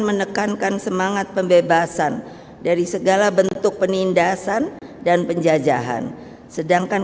menekankan semangat pembebasan dari segala bentuk penindasan dan penjajahan sedangkan